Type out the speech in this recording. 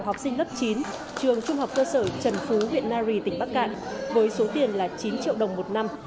học sinh lớp chín trường trung học cơ sở trần phú huyện nari tỉnh bắc cạn với số tiền là chín triệu đồng một năm